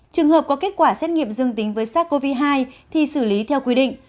trường hợp có kết quả xét nghiệm dương tính với sars cov hai thì xử lý theo quy định